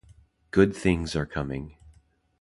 Good things are coming.